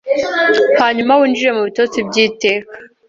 hanyuma winjire mu bitotsi by'iteka